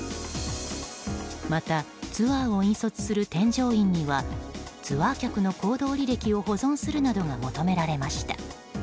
また、ツアーを引率する添乗員にはツアー客の行動履歴を保存するなどが求められました。